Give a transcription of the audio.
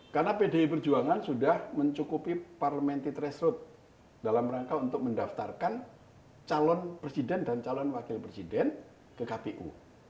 karena pdi perjuangan sudah mencukupi parmenti teresrut dalam rangka untuk mendaftarkan calon presiden dan calon wakil presiden ke kpu